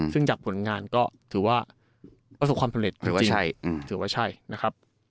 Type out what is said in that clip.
ซึ่งจากผลงานก็ถือว่าประสบความสำเร็จจริง